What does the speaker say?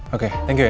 oke terima kasih ya